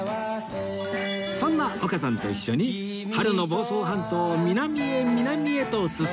そんな丘さんと一緒に春の房総半島を南へ南へと進む旅